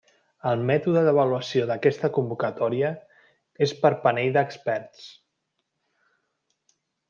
El mètode d'avaluació d'aquesta convocatòria és per panell d'experts.